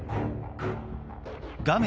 画面